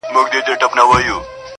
څوک چي ددې دور ملګري او ياران ساتي,